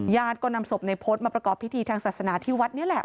ญาติก็นำศพในพจน์มาประกอบพิธีทางศาสนาที่วัดนี้แหละ